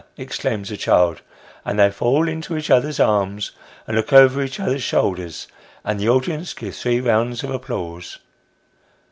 " exclaims the child ; and they fall into each other's arms, and look over each other's shoulders, and the audience give three rounds of applause.